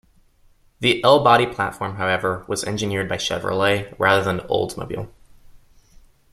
The L-Body platform however, was engineered by Chevrolet rather than Oldsmobile.